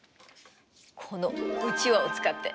このうちわを使って。